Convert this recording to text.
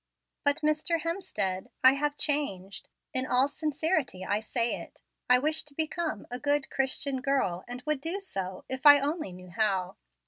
But, Mr. Hemstead, I have changed. In all sincerity I say it, I wish to become a good, Christian girl, and would do so, if I only knew how.